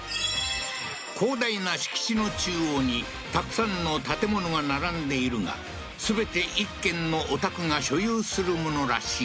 広大な敷地の中央にたくさんの建物が並んでいるが全て１軒のお宅が所有するものらしい